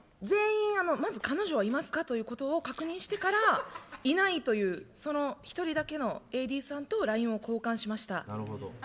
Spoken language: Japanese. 全員まず彼女はいますかということを確認してから、いないという１人だけのＡＤさんとＬＩＮＥを交換しました。